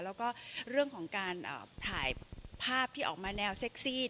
แล้วก็เรื่องของการถ่ายภาพที่ออกมาแนวเซ็กซี่